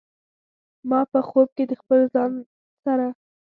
ما په خوب کې د خپل ځان سره